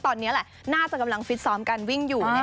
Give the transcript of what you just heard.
ตอนนี้แหละน่าจะกำลังฟิตซ้อมการวิ่งอยู่